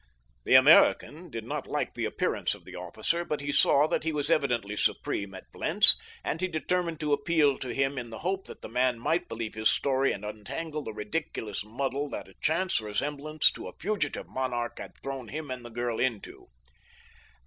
The American did not like the appearance of the officer, but he saw that he was evidently supreme at Blentz, and he determined to appeal to him in the hope that the man might believe his story and untangle the ridiculous muddle that a chance resemblance to a fugitive monarch had thrown him and the girl into.